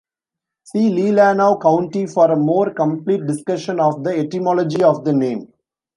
See Leelanau County for a more complete discussion of the etymology of the name.